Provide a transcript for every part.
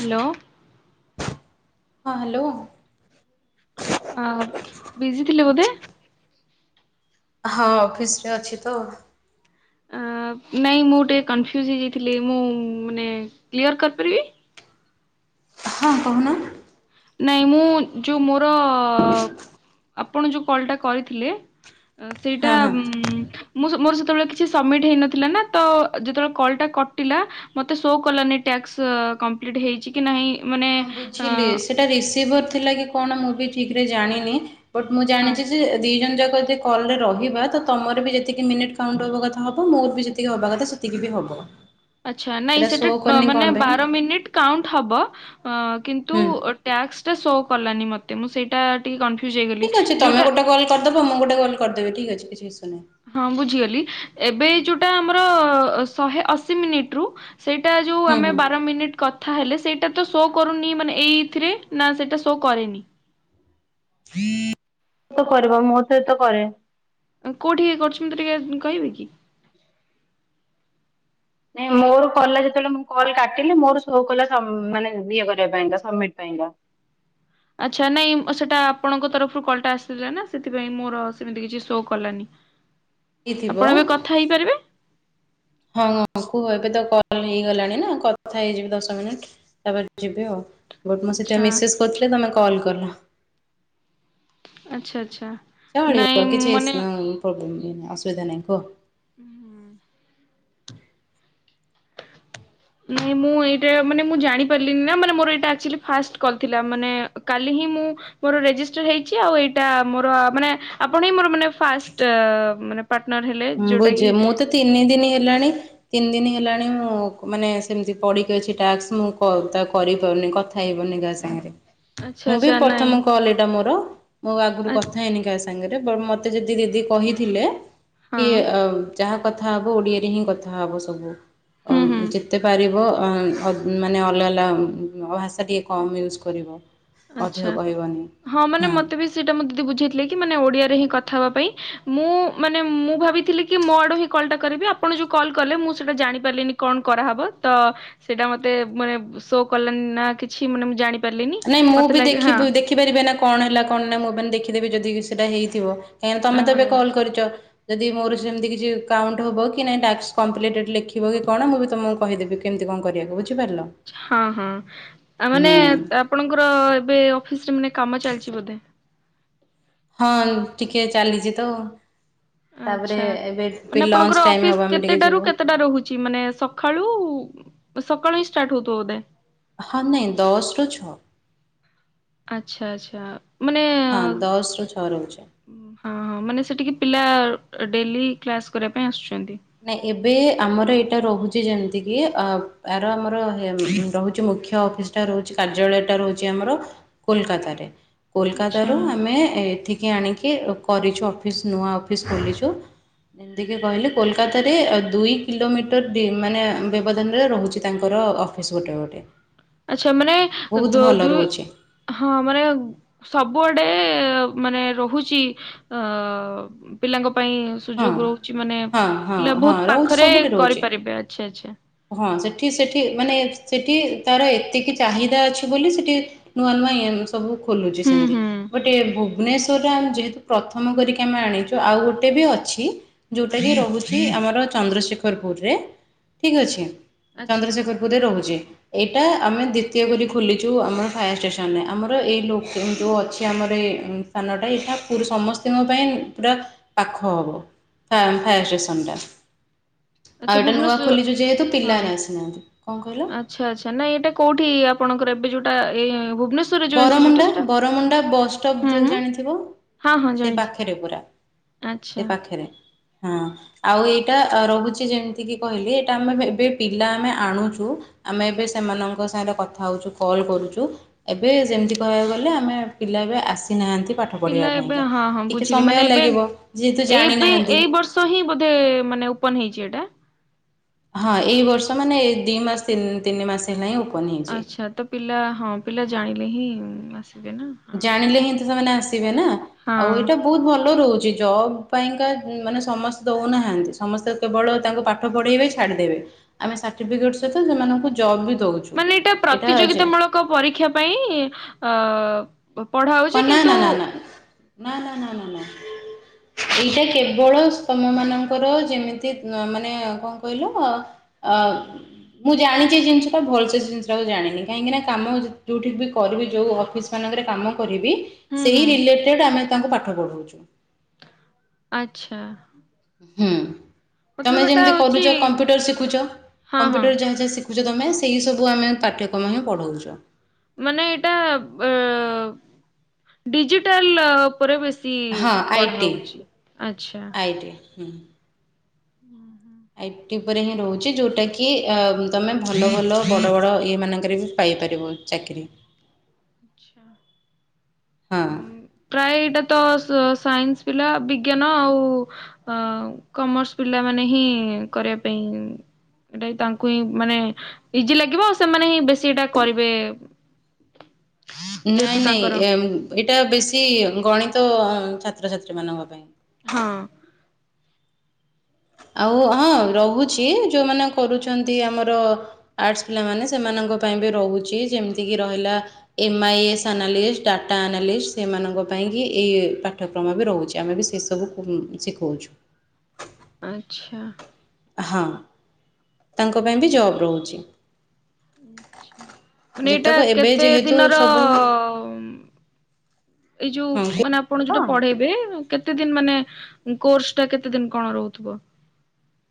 Hello. ହଁ hello. ଅ busy ଥିଲ ବୋଧେ। ହଁ ଅଫିସରେ ଅଛି ତ। ଆଁ। ନାଇଁ ମୁଁ ଟିକେ କନଫ୍ୟୁଜ ହେଇଯାଇଥିଲି ମୁଁ ମାନେ କ୍ଲିୟର କରିପାରିବି। ହଁ ହ କହୁନା। ନାଇଁ ମୁଁ ଯୋଉ ମୋର ଅ। ଆପଣ ଯୋଉ କଲଟା କରିଥିଲେ ସେଇଟା ହଁ ହଁ। ଉଁ। ମୁଁ ମୋର ସେତେବେଳେ କିଛି ସବମିଟ ହେଇନଥିଲା ନା ତ ଯେତେବେଳେ କଲ ଟା କଟିଲା ମତେ ସୋ କଲାନି ଟ୍ୟ ଟ୍ୟଅସ୍କ କମ୍ପଲିଟହେଇଛି କି ନାଇଁ। ହଁ ବୁଝିଲି ସେଟା ରିସ୍କ ଦେବର ଥିଲା କି କଣ ମୁଁ ବି ଠିକରେ ଜାଣିନି ବଟ ମୁଁ ହଁ ଯାଣିଛିଯେ ଦିଜଣାଯାଙ୍କ ଯଦି କଲରେ ରହିବା ତ ତମର ବି ଯେତିକି ମିନିଟ୍ କାଉଣ୍ଟ ହେବ ମୋର ବି ଯେତିକି ହବାକଥା ହବ। ଆଛା ନାଇଁ ଶୋ ସେଟା କରିନି ମାନେ କଣ ପାଇଁ ବାର ମିନିଟ କାଉଣ୍ଟ ହବ। ଅ କିନ୍ତୁ ହୁଁ ଟ୍ୟାକ୍ତ ଟା ଶୋ କଲାନି ମତେ ମୁଁ ସେଇଟା ଟିକେ କଁ ଠିକ୍ ଅଛି ତମେ ଗୋଟେ କଲ କରିଦବ ମୁଁ ଗୋଟେ କଲ କରିଦବି ଠିକ ଅଛି। ନାହିଁ ହଁ ବୁଝିଗଲି ଏବେ ଯୋଉଟା ଆମର ଶହେ ଅଶୀ ମିନିଟ ରୁ। ସେଇଟା ଯଉ ହୁଁ ଆମେ ହୁଁ। ବାର ମିନିଟ କଥା ହେଲେ ସେ ସେଟ ତ ଶୋ କରୁନି ମାନେ ଏଇଥିରେ ନା ସେଇଟା ଶୋ କରେନି। [inaudible] ମହତ ତ କରେନି। କୋଉଠି କରୁଛନ୍ତି ଟିକେ କହିବେକି। ନାଇଁ ମୋ ତୋ କଲଟା ଯେତେବେଳେ ମୁଁ କଲ କାଟିଲି ମୋର ସୋ କଲ ସ ମାନେ ସମିଟ ପାଇଁ କା। ହଁ [inaudible] ଆଚ୍ଛା ନାଇଁ ସେଟା ଆପଣଙ୍କ ତରଫରୁ କଲଟା ଆସିଥିଲା ନା ସେଥିପାଇଁ ମୋର ସେମିତି କିଛି ଶୋ କଲାନି। [inaudible] ହେଇ ଆପଣ ଥିବ ଏବେ କଥା ହେଇପାରିବେ ହଁ କୁହ ଏବେ ତ କ କଲ୍ ହେଇଗଲାଣି ନା କଥା ହେଇଯିବି ଦଶ ମିନିଟ୍ ତାପରେ ଯିବି ଆଉ। ବଟ୍ ମୁଁ ସେଟା ଆଚ୍ଛା। ମେସେଜ୍ କରିଥିଲେ ତୁମେ କଲ୍ କଲ। ଆଚ୍ଛା ଆଚ୍ଛା। ନାଇଁ ଚଳିବ କିଛି ମାନେ ଫୋବ୍ଲେମ୍ ନାହିଁ ଅସୁବିଧା ନାହିଁ କୁହ। ହୁଁଉ। [inaudible] ନାଇଁ ମୁଁ ଏଇଟା ମାନେ ମୁଁ ଜାଣି ପାରିଲିନି ନା ମାନେ ମୋର ଏଟା ଏକ୍ଚୁଲି ଫାଷ୍ଟ କଲ୍ ଥିଲା ମାନେ କାଲି ହିଁ ମୁଁ ମୋର ରେଜିଷ୍ଟର୍ ହେଇଛି ଆଉ ଏଇଟା ମୋର ମାନେ ଆପଣ ହିଁ ମୋର ମାନେ ଫାଷ୍ଟ ମାନେ ପାର୍ଟନର ହେଲେ ହୁଁ ଯୋଉଟା ବୁଝି କି ମୁଁ ତ ତିନି ଦିନି ହେଲାଣି। ତିନି ଦିନ ହେଲାଣି ମୁଁ ମାନେ ସେମିତି ପଢିକି ଅଛି ଟ୍ୟାକ୍ସ ମୁଁ କ-ତା କରିପାରୁନି କଥା ହେଇ ପାରୁନି କାହା ସାଙ୍ଗରେ ଆଚ୍ଛା ମୁଁ ବି ଆଚ୍ଛା ନାଇଁ ପ୍ରଥମ କଲ୍ ଏଟା ମୋର ମୋ ଆଗରୁ କଥା ହେଇନି କାହା ସ ସାଙ୍ଗରେ ବଟ୍ ମତେ ଯଦି ଦିଦି କହିଥିଲେ ହଁ କି ଯାହା କଥା ହବ ଓଡ଼ିଆରେ ହିଁ କଥା ହବ ସବୁ ହୁଁ ହୁଁ ଯେତେ ପାରିବ ଅ-ଅ-ମାନେ ଅଲଗା ଅଲଗା ଭାଷା ଟିକେ କମ୍ ୟୁଜ୍ କରିବ। ଅଧିକ ଆଚ୍ଛା କହିବନି ହଁ ମାନେ ହୁଁ ମତେ ବି ସେଇଟା ମୋ ଦିଦି ବୁଝେଇଥିଲେ କି ମାନେ ଓଡିଆରେ ହିଁ କଥା ହବା ପାଇଁ। ମୁଁ ମାନେ ମୁଁ ଭାବିଥିଲି କି ମୋ ଆଡୁ ହିଁ କଲ୍ ଟା କରିବି ଆପଣ ଯୋଉ କଲ୍ କଲେ ମୁଁ ସେଇଟା ଜାଣି ପାରିଲିନି। କଣ କରାହବ ତ ସେଇଟା ମତେ ମାନେ ସୋ କଲାନି ନା କିଛି ମାନେ ମୁଁ ଜାଣି ପାରିଲିନି। ନାଇଁ ମୁଁ ବି ଦେଖିବି ଦେଖିପାରିବେନା କଣ ହେଲା କଣ ନା ମୁଁ ମାନେ ଦେଖିଦେବି ଯଦି ସେଇଟା ହେଇଥିବ। [unintelligible] ତମେ ତ ଏବେ ହଁ କଲ୍ କରିଚ। ଯଦି ମୋର ସେମିତି କିଛି କାଉଣ୍ଟ ହବ କି ନାଇଁ ଟାକ୍ସ କମ୍ପ୍ଲିଟ ଲେଖିବ କି କଣ ମୁଁ ବି ତମକୁ କହିଦେବି କେମିତି କଣ କରିବାକୁ ବୁଝି ହଁ ହଁ ଆ ମାନେ ହୁଁ ଆପଣଙ୍କ ଏବେ ଅଫିସ୍ ରେ ମାନେ କାମ ଚାଲିଛି ବୋଧେ। ହଁ ଟିକେ ଚାଲିଚି ତ ତାପରେ ଆଚ୍ଛା ଏବେ ବି ମାନେ ଆପଣଙ୍କର ଲଞ୍ଚ ଟାଇମ୍ ଅଫିସ୍ ହବ ଆମେ ଟିକେ କେତେଟାରୁ ଯିବୁ କେତେଟା ରହୁଚି? ମାନେ ସଖାଳୁ ସକାଳୁ ହିଁ ଷ୍ଟାଟ ହଉଥୁବ ବୋଧେ। ହଁ ନାଇଁ ଦଶ୍ ରୁ ଛଅ। ଆଚ୍ଛା ଆଚ୍ଛା। ମାନେ ହଁ ଦଶ ରୁ ଛଅ ରହୁଛି ହଁ ହଁ ମାନେ ସେଠିକି ପିଲା ଡେଲି କ୍ଲାସ୍ କରିବା ପାଇଁ ଆସୁ ନାଇଁ ଏ ଏବେ ଆମର ଏଇଟା ରହୁଚି ଯେମିତି କିି ଆ-ଆର ଆମର ହେ ରହୁଚି ମୁଖ୍ୟ ଅଫିସ୍ ଟା ରହୁଚି କାର୍ଯ୍ୟଳୟ ଟା ରହୁଚି ଆମର କୋଲକାତା ରେ କୋଲକାତା ଆଚ୍ଛା ରୁ ଆମେ ଏଠି କି ଆଣିକି କରିଛୁ ଅଫିସ୍ ନୂଆ ଅଫିସ୍ ଖୋଲିଛୁ ଯେମିତିକି କହିଲେ। କୋଲକାତାରେ ଦୁଇ କିଲୋମିଟର ଦି ମାନେ ବ୍ୟବଧାନରେ ରହୁଚି ତାଙ୍କର ଅଫିସ୍ ଗୋଟେ ଗୋଟେ। ଆଚ୍ଛା ମାନେ ବହୁତ ଭଲ ଦୁ-ଦୁଇ ରହୁଛି ହଁ ମାନେ ସବୁଆ ଡେ ମାନେ ରହୁଚି ଆ ପିଲାଙ୍କ ପାଇଁ ହଁ ସୁଯୋଗ ରହୁଚି ମାନେ ହଁ ହଁ ପିଲା ହଁ ବହୁତ୍ ରହୁଛି ପାଖରେ ସବୁଠି ରହୁଛି କରିପାରିବେ ଆଚ୍ଛା ଆଚ୍ଛା। ହଁ ସେ ଠି ସେଠି ମାନେ ସେଠି ତାର ଏତିକି ଚାହିଦା ଅଛି ବୋଲି ସେଠି ନୂଆ ନୂଆ ଇ ସବୁ ଖୋଲୁଚି ହୁଁ ସେମିତି ହୁଁ ବଟ୍ ଏ ଭୁବନେଶ୍ୱରରେ ଆମେ ଯେହେତୁ ପ୍ରଥମ କରିକି ଆମେ ଆଣିଚୁ ଆଉ ଗୋଟେ ବି ଅ ଛି ଯଉଁଟାକି ଆଚ୍ଛା। ରହୁଚି ଆମର ଚନ୍ଦ୍ରଶେଖରପୁରରେ ଠିକ୍ ଅଛି। ଆଚ୍ଛା ଚନ୍ଦ୍ରଶେଖର ପୁର୍ ରେ ରହୁଚି। ଏଇଟା ଆମେ ଦ୍ଵିତୀୟ କରି ଖୋଲିଚୁ ଆମର ଫାୟାର ଷ୍ଟେସନରେ ଆମର ଏଇ ଲୋ କେନ୍ତୁ ଅଛି ଆମର [unintelligible] ସ୍ଥାନଟା ଏଇଟା ପୁରୁ ସମସ୍ତିଙ୍କ ପାଇଁ ପୁରା ପାଖ ହବ। ଫାମ୍ ଫାୟାର୍ ଆଚ୍ଛା ଷ୍ଟେସନ୍ ଟା। ଆଚ୍ଛା ଆଉ ଏଟା ନୂଆ ଭୁବନେଶ୍ୱର ଖୋଲିଚୁ ଯେହେତୁ ହଁ। ପିଲାମାନେ ଆସିନାହାନ୍ତି। କଣ କଇଲ? ଆଚ୍ଛା ଆଚ୍ଛା ନାଇଁ ଏଇଟା କୋଉଠି ଆପଣଙ୍କର ଏବେ ଯୋଉଟା ଏ ଭୁବନେଶ୍ୱରରେ ଯୋଉ ଇନଷ୍ଟିଚ୍ୟୁଟ ଟା ବରମୁଣ୍ଡା ସେଟା ବରମୁଣ୍ଡା ବସଷ୍ଟପ୍ ହୁଁ ଯଦି ହୁଁ ଜାଣିଥିବ। ହଁ ସେଇ ପାଖରେ ପୁରା ଆଚ୍ଛା ସେଇ ପାଖେରେ। ହଁ ଆଉ ଏଇଟା ରହୁଚି ଯେମିତି କିି କହିଲି ଏଇଟା ଆମେ ଏବେ ପିଲା ଆମେ ଆଣୁଚୁ। ଆମେ ଏବେ ସେମାନଙ୍କ ସାଙ୍ଗରେ କଥା ହଉଚୁ କଲ୍ କରୁଚୁ। ଏବେ ଯେମିତି କହିବାକୁ ଗଲେ ଆମେ ପିଲା ଏବେ ଆସିନାହାନ୍ତି। ପାଠ ପଢ଼ିବା ପିଲା ଏବେ ପାଇଁକା ହଁ ହଁ ଟିକେ ବୁଝିଲି ସମୟ ମାନେ ଏବେ ଲାଗିବ ଯେହେତୁ ଏଇବେ ଜାଣିନାହାନ୍ତି ଏଇ ବର୍ଷ ହିଁ ବୋଧେ ମାନେ ଓପନ ହେଇଚି ଏଟା। ହଁ ଏଇ ବର୍ଷ ମାନେ ଏ ଦି ମାସ ତିନି ମାସ ହେଲାଣି ଆଚ୍ଛା, ତ ପିଲା ହଁ ପିଲା ହଁ ଜାଣିଲେ ହିଁ ଆସ ଜାଣିଲେ ହିଁ ତ ସେମାନେ ଆସିବେ ନା ଆଉ ହଁ ଏଇଟା ବହୁତ ଭଲ ରହୁ ଛି, ଜବ୍ ପାଇଁକା ମାନେ ସମସ୍ତେ ଦେଉନାହାନ୍ତି, ସମସ୍ତେ କେବଳ ତାଙ୍କୁ ପାଠ ପଢେଇବେ ଛାଡ଼ିଦେବେ। ଆମେ ସର୍ଟିଫିକେଟ ସହିତ ସେମାନଙ୍କୁ ଜବ ବି ଦଉଛୁ। ମାନେ ଏଇଟା ପ୍ରତିଯୋଗିତା ମୂଳକ ପରୀକ୍ଷା ପାଇଁ ଅ ପଢା ହଉଛି, କଣ ନା କିନ୍ତୁ ନା ନା ନା ନା ନା ନା ନା। ଏଇଟା କେବଳ ତମ ମାନଙ୍କର ଯେମିତି ମାନେ କଣ କହିଲ ଅ ଅଁ ମୁଁ ଜାଣିଛି ଏଇ ଜିନିଷଟା ଭଲ ସେ ଜିନିଷଟାଉ ଜାଣିନି, କାହିଁକି ନା କାମ ଯୋଉଠିକି ବି କରିବି ଯୋଉ ଅଫିସ ମାନଙ୍କରେ କାମ ବି ହୁଁ ସେଇ ହୁଁ ରିଲେଟେଡ ଆମେ ତାଙ୍କୁ ପାଠ ପଢଉଛୁ। ଆଛା। ହୁଁ ତମେ ଯେମିତି ହଉଛି କରୁଛ କମ୍ପ୍ୟୁଟର ଶିଖୁଛ, ହଁ ହଁ କମ୍ପ୍ୟୁଟର ଯାହା ଯାହା ଶି ଖୁଛ, ତମେ ସେଇ ସବୁ ଆମେ ପାଠ୍ୟକ୍ରମ ହିଁ ପଢ଼ଉଛ। ମାନେ ଏଇଟା ଆ ଡିଜିଟାଲ ଉପରେ ବେଶୀ ହଁ ଆଇ ପଢା ଟି ହଉଛି, ଆଛା। ଆଇ ଟି ହୁଁ। ହୁଁ ହୁଁ। ଆଇଟି ଉପରେ ହିଁ ରହୁଛି, ଯେଉଁଟାକି ତୁମେ ଭଲ ଭଲ ବଡ଼ ବଡ଼ ଇଏ ମାନଙ୍କରେ ବି ପାଇପାରିବ ଚାକିରି। ଆଛା ହଁ ଉମ୍ ପ୍ରାୟ ଏଇଟା ତ ତ ସାଇନ୍ସ ପିଲା ବିଜ୍ଞାନ ଆଉ ଆ କମର୍ସ ପିଲା ମାନେ ହିଁ କରିବା ପାଇଁ ଏଇଟା ତାଙ୍କୁ ହିଁ ମାନେ ଇଜି ଲାଗିବ। ଆଉ ସେମାନେ ହିଁ ବେଶୀ ଏଇଟା କରିବେ [inaudible] ଯେହେତୁ ନାଇଁ ନାଇଁ ତାଙ୍କର ଏଇଟା ବେଶୀ ଗଣିତ ଛାତ୍ରଛାତ୍ରୀ ମାନଙ୍କ ପାଇଁ। ହଁ। ଆଉ ହଁ ରହୁଛି ଯୋଉମାନେ କରୁଛନ୍ତି, ଆମର ଆର୍ଟସ ପିଲାମାନେ ସେମାନଙ୍କ ପାଇଁ ବି ରହୁଛି, ଯେମିତି ରହିଲା M I S analyst data analyst ସେମାନଙ୍କ ପାଇଁକି ଏଇ ପାଠ୍ୟକ୍ରମ ବି ରହୁଛି, ଆମେ ବି ସେ ସବୁକୁ ଉମ ଶିଖଉଛୁ ଆଚ୍ଛା। ହଁ ତାଙ୍କ ପାଇଁ ବି ଜବ୍ ରହୁଛି। ଆଛା ମାନେ ଏଇଟା ଯେତେକ ଏବେ କେତେ ଯେହେତୁ ଦିନର ସବୁ ଉମ ଏଇ ଯୋଉ ହଁ ହଁ। ମାନେ ଆପଣ ଯୋଉଟା ପଢେଇବେ କେତେ ଦିନ ମାନେ କୋର୍ସ ଟା କେତେ ଦିନ କଣ ରହୁଥିବ?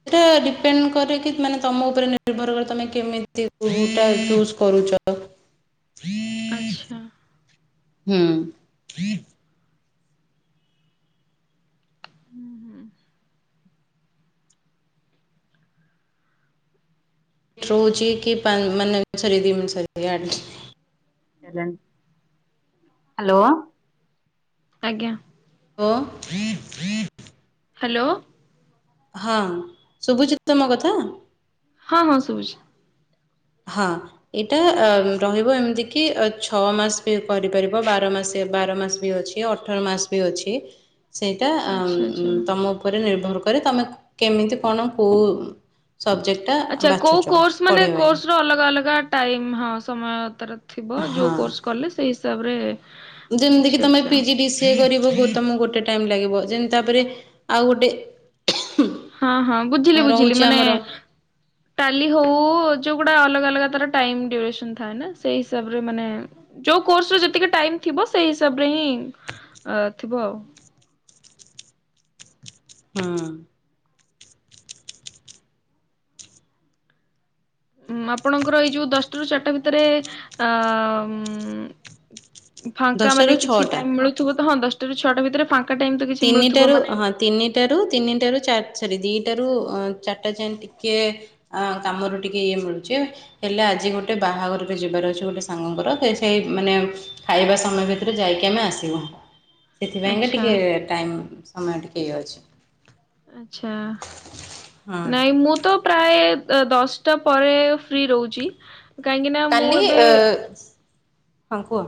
ସେଟା ଡିପେଣ୍ଡ କରେ କି ମାନେ ତମ ଉପରେ ନିର୍ଭର କରେ ତମେ କେମିତି [unintelligible] ଟା ଚୁଜ କରୁଛ। [inaudible] ଆଚ୍ଛା। ହୁଁ। ହୁଁ ହୁଁ। [unintelligible] ହ୍ୟାଲୋ! ଆଜ୍ଞା। [unintelligible] ହ୍ୟାଲୋ! ହଁ ଶୁଭୁଚିତ ମୋ କଥା? ହଁ ହଁ ସୁଭୁଛି। ହଁ ଏଇଟା ରହିବ, ଏମିତି କିି ଛଅ ମାସ ବି କରିପାରିବ ବାର ମାସେ ବାର ମାସ ବି ଅଛି, ଅଠର ମାସ ବି ଅଛି ସେଇଟା ଅ ଆଚ୍ଛା ଉମ ଆଚ୍ଛା ତମ ଉପରେ ନିର୍ଭର କରେ ତମେ କେମିତି କଣ କୋଉ? ସବଜେକ୍ଟଟା ଆଚ୍ଛା କୋଉ ବାଛୁଛ କୋର୍ସ ମାନେ ପଢ଼ିବା ପାଇଁ କୋର୍ସ ର ଅଲଗା ଅଲଗା ଅଲଗା ଟାଇମ୍ ହଁ ସମୟ ତାର ଥିବ ଯଉ ହଁ। କୋର୍ସ କଲେ ସେଇ ହିସାବରେ ଯେମିତି କି ଆଚ୍ଛା ତମେ ଆଚ୍ଛା ପିଜି ଡି ସି ଏ କରି ଗୁ ଗୁ ତମ ଗୋଟେ ଟାଇମ ଲାଗିବ ଯେନ ତାପରେ ଆଉ ଗୋଟେ ହଁ ହଁ ବୁଝିଲି ବୁଝିଲି ରହୁଛି ମାନେ ଆମର ଟାଲି ହଉ ଯୋଉଗୁଡା ଅଲଗା ଅଲ ଲଗାତାର ଟାଇମ୍ ଡ୍ୟୁରେସନ ଥାଏ ନା ସେଇ ହିସାବରେ ମାନେ ଯୋଉ କୋର୍ସ ର ଯେତିକି ଟାଇମ୍ ଥିବ ସେଇ ହିସା ବରେ ହିଁ ଅ ଥିବ ଆଉ। ହୁଁ। ଉମ ଆପଣଙ୍କର ଏଇ ଯୋଉ ଦଶଟା ରୁ ଚାରିଟା ଭିତରେ ଅ ଉମ ଫାଙ୍କା ମାନେ ଦଶଟାରୁ କିଛି ଛଅଟା। ଟାଇମ ମିଳୁଥିବ ତ ହଁ ଦଶଟାରୁ ଛଅଟା ଭିତରେ ଫା ତିନିଟାରୁ ହଁ ତିନିଟାରୁ ତିନିଟାରୁ ଚାର ରି ଦିଟା ରୁ ଅ ଚାରଟା ଯାଏ ଟିକେ ଅ କାମରୁ ଟିକେ ଇଏ ମିଳୁଛି ହେଲେ ଆ ଆଜି ଗୋଟେ ବାହାଘରକୁ ଯିବାର ଅଛି ଗୋଟେ ସାଙ୍ଗଙ୍କର ସେ ସେଇ ମାନେ ଖାଇବା ସମୟ ଭିତରେ ଯାଇକି ଆମେ ଆସ ଥିଲୁ, ସେଥିପାଇଁକା ଆଚ୍ଛା ଟିକେ ଟାଇମ ସମୟ ଟିକେ ଇଏ ଅଛି। ଆଛା ହଁ। ନାଇଁ ମୁଁ ତ ପ୍ରାୟ ଅ ଦଶଟା ପରେ ଫ୍ରି ରହୁଛି। କାହିଁକି ନା ମୁଁ କାଲି ଏବେ ଅ ହଁ କୁହ।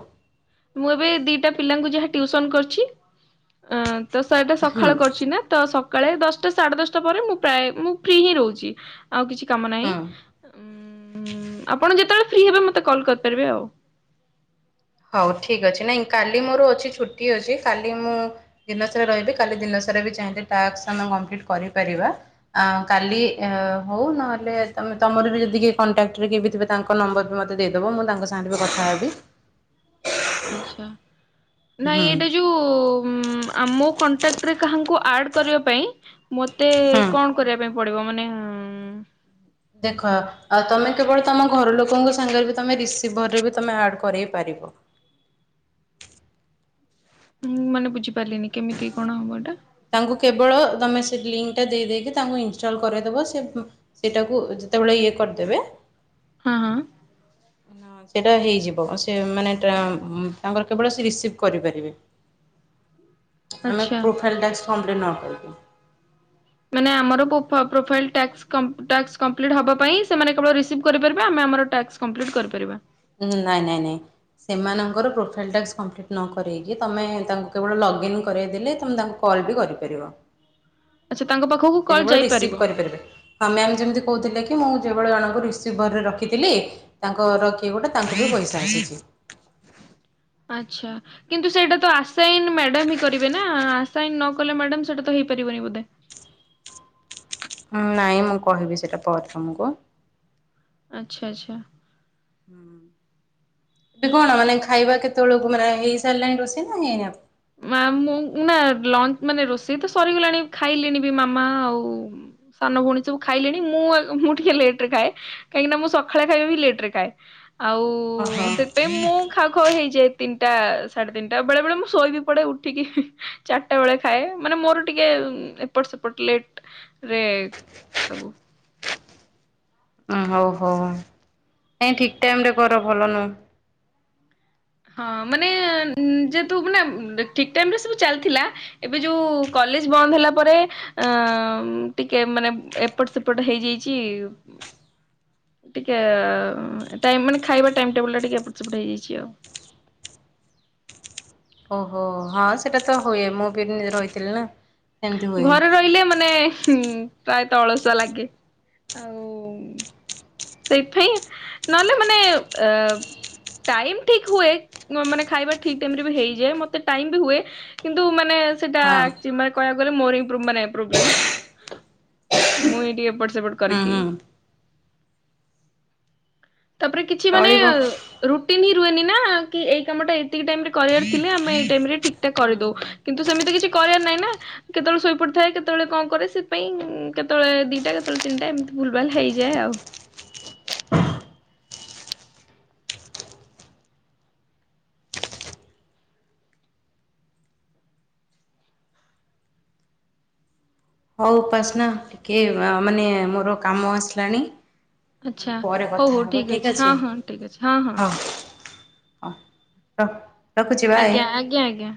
ମୁଁ ଏବେ ଦିଟା ପିଲାଙ୍କୁ ଯାହା ଟିଉସନ କରିଛି ଅ ତ ସେଇଟା ହୁଁ ସକାଳ କରୁଛି ନା ତ ସକାଳେ ଦଶଟା ସାଢେ ଦଶଟା ପରେ ମୁଁ ପ୍ରାୟ ମୁଁ ଫ୍ରି ହିଁ ରହୁଛି। ଆଉ କିଛି କାମ ନାହିଁ ହଁ। ଉଁ ଆପଣ ଯେତେବେଳେ ଫ୍ରି ହେବେ ମତେ କଲ୍ କରିପାରିବେ ଆଉ। ହଉ ଠିକ ଅଛି ନାଇଁ କାଲି ମୋର ଅଛି ଛୁଟି ଅଛି କାଲି ମୁଁ ଦିନସାରା ରହିବି କାଲି ଦିନସାରା ବି ତାହେଲେ ଟାସ୍କ ଆମେ କଂପ୍ଲିଟ୍ କରିପାରିବା ଅ କାଲି ଅ ହଉ ନହେଲେ ହେଲେ ତମେ ତମର ବି ଯଦି କିଏ କଣ୍ଟାକ୍ଟରେ କିଏବି ଥିବେ ତାଙ୍କ ନମ୍ବର ବି ମତେ ଦେଇଦବ ମୁଁ ତାଙ୍କ ସାଙ୍ଗରେ ବି କଥା ହେବି। ଆଛା ହୁଁ ନାଇଁ ଏଇଟା ଯୋଉ ଉମ ଆ ମୋ କଣ୍ଟାକ୍ଟ ରେ କାହାଙ୍କୁ ଆ ଆଡ଼ କରିବା ପାଇଁ ମତେ ହୁଁ କଣ କରିବା ପାଇଁ ପଡିବ ମାନେ ଉମ ଦେଖ ଆଉ ତମେ କେବଳ ତମ ଘର ଲୋକଙ୍କ ସାଙ୍ଗରେ ବି ତମେ ରିସିଭରରେ ବି ତମେ ଆଡ କରେଇ ପାରିବ। ହଁ [inaudible] ହୁମ ମାନେ ବୁଝିପାରିଲିନି କେମିତି କଣ ହବ ଏଇଟା? ତାଙ୍କୁ କେବଳ ତମେ ସେ ଲିଙ୍କ ଟା ଦେଇ ଦେଇେଇକି ତାଙ୍କୁ ଇନଷ୍ଟଲ କରେଇଦବ ସେ ସେଇଟାକୁ ଯେତେବେଳେ ଇଏ କରିଦେବେ। ହଁ ହଁ। ସେଟା ହେଇଯିବ ସେମାନେ ଟା ଉମ ତାଙ୍କର କେବଳ ସେ ରିସିଭ କରିପାରିବେ। ହ [inaudible] ଆମେ ପ୍ରୋଫାଇଲ୍ ଟାକ୍ସ କଂପ୍ଲିଟ୍ ନବୁ। ମାନେ ଆମର ପୋପ ପ୍ରୋଫାଇଲ ଟାସ୍କ କଂ ଟାସ୍କ କଂପ୍ଲିଟ୍ ହବା ପାଇଁ ସେମାନେ କେବଳ ରିସିଭ କରିପାରିବେ ଆମେ ଆମର ଟାସ୍କ କଂପ୍ଲିଟ୍ କରିପାରିବା। ଉମ ନାଇଁ ନାଇଁ ନାଇଁ। ସେମାନଙ୍କର ପ୍ରୋଫାଇଲ ଟାସ୍କ କଂପ୍ଲିଟ୍ ନ କରେ଼ଇକି ତମେ ତାଙ୍କୁ କେବଳ ଲଗ୍ଇନ୍ କରେଇଦେଲେ ତମେ ତାଙ୍କୁ କ କଲ ବି କରିପାରିବ। ହଁ [inaudible] ସେ କେବଳ ରିସିଭ କରିପାରିବେ ଆମେ ଆମେ ଯେମିତି କହୁଥିଲେ ମୁଁ ଯେଭଳି ଜଣଙ୍କୁ ରିସିଭରରେ ରଖିଥିଲି ତାଙ୍କଘରର କିଏ ଗୋଟେ ତାଙ୍କୁ ବି ପଇସା ଆସିଛି। ହ ଆଚ୍ଛା କିନ୍ତୁ ସେଇଟା ତ ଆସାଇନ ମ୍ୟାଡାମ ହିଁ କରିବେ ନା ଆସାଇନ ନ କଲେ ମ୍ୟାଡମ ସେଟା ତ ହେଇପାରି ହେବନି ବଧେ। ଉମ ନାଇଁ ମୁଁ କହିବି ସେଟା ପରେ ତମକୁ। ଆଚ୍ଛା ଆଚ୍ଛା। ହୁଁ। ଏବେ କଣ ମାନେ ଖାଇବା କେତେବେଳକୁ ମାନେ ହେଇ ସାରିଲାଣି ରୋଷେଇ ନା ହେଇନି ଆପ ମା ମୁଁ ନା ଲଞ୍ଚ ମାନେ ରୋଷେଇ ତ ସରିଗଲାଣି ଖାଇଲିଣି ବି ମାମା ଆଉ ସାନ ଭଉଣୀ ସବୁ ଖାଇଲେଣି ମୁଁ ମୁଁ ଟିକେ ଲେଟ ରେ ଖାଏ। କାହିଁକି ନା ମୁଁ ସକାଳେ ଖାଇବା ବି ଲେଟରେ ଖାଏ। ଆଉ ଓହୋ ସେଥିପାଇଁ ମୁଁ ଖା ଖୁଆ ହେଇଯାଏ ତିନିଟା ସାଢେ ତିନିଟା ବେଳେ ବେଳେ ମୁଁ ଶୋଇବି ପଟେ ଉଠିକି ଚାରିଟା ବେଳେ ଖାଏ ମାନେ ମୋର ଟିକେ ଏପଟ ସେପଟ ଲେଟ ରେ ଏ ସବୁ। ଉଁ ହଉ ହଉ ଏଁ ଠିକ୍‌ ଟାଇମ ରେ କର ଭଲ ନୁହ। [inaudible] ହଁ ମାନେ ଉଁ ଯେହତୁ ମାନେ ଠିକ୍‌ ଟାଇମ୍ ରେ ସବୁ ଚାଲିଥିଲା ଏବେ ଯୋଉ କଲ କଲେଜ ବନ୍ଦ ହେଲା ପରେ ଅଁ ଟିକେ ମାନେ ଏପଟ ସେପଟ ହେଇଯାଇଛି। [inaudible] ଟିକେ ଆ ଉଁ ଟାଇ ମାନେ ଖାଇବା ଟାଇମ ଟେବୁଲ ଟା ଟିକେ ଏପଟ ସେପଟ ହେଇଯାଇଛି ଆଉ। ଓହୋ ହଁ ସେଇଟା ତ ହୁଏ ମୁଁ ବି ନିଜର ରଇଥିଲି ନା। ସେମିତି ହୁଏ ଘରେ ରହିଲେ ମାନେ ହୁଁ। ପ୍ରାୟ ତଳସୁଆ ଲାଗେ [inaudible] ଆଉ ସେଇପାଇଁ ନହେଲେ ମାନେ ଆ ଟାଇମ୍ ଠିକ୍‌ ହୁଏ। ମାନେ ଖାଇବା ଠିକ୍‌ ଟାଇମ୍ ରେ ବି ହେଇଯାଏ ମତେ ଟାଇମ୍ ବି ହୁଏ। କିନ୍ତୁ ମାନେ ସେଟା ହଁ ଆଚ୍‌ କହିବାକୁ ଗଲେ ମୋରବ୍ ମୁଁ ଏଇ ଟିକେ ସେପଟ ହୁଁ କରିକି ହୁଁ [inaudible] ତାପରେ କିଛି ମାନେ ଚଳିବ। ହୁଁ ରୁଟିନି ରୁହନି ନା କି ଏଇ କାମ ଟା ଏତିକି ଟାଇମରେ କରିବାର ଥିଲେ ଆମେ ଏଇ ଟାଇମ ରେ ଠିକ୍‌ ଟା କରିଦଉ ହୁଁ କିନ୍ତୁ ସେମିତି କିଛି କରିବାର ନାହିଁ ନା କେତେବେଳେ ଶୋଇ ପଡିଥାଏ କେତେବେଳେ କଣ କରେ ସେଥିପାଇଁ କେତେବେଳେ ଦିଟା କେତେବେଳେ ତିନିଟା ଏମିତି ଭୁଲଭାଲ ହେଇଯାଏ ଆଉ [inaudible] ହଉ ଉପାସନା ଟିକେ ମାନେ ମୋର କାମ ଆସିଲାଣି। ଆମେ ଆଚ୍ଛା ପରେ ହଉ କଥା ହଉ ହେବା ଠିକ ଠିକ୍‌ ଅଛି ହଁ ହଁ ଠିକ ଅଛି ହଁ ହଁ। ତ ଆଜ୍ଞା ଆଜ୍ଞା ଆଜ୍ଞା।